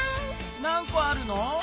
なんこあるの？